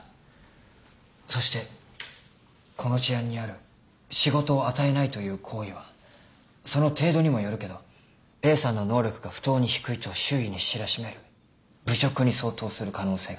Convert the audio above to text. そしてこの事案にある仕事を与えないという行為はその程度にもよるけどＡさんの能力が不当に低いと周囲に知らしめる侮辱に相当する可能性が。